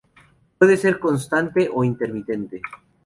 Puede ser constante o intermitente.